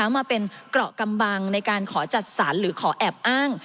มาเป็นเกราะกำบังในการขอจัดสรรหรือขอแอบอ้าง